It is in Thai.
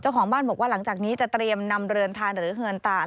ของบ้านบอกว่าหลังจากนี้จะเตรียมนำเรือนทานหรือเหินต่าน